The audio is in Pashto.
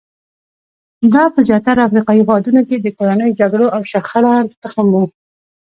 دا په زیاترو افریقایي هېوادونو کې د کورنیو جګړو او شخړو تخم وو.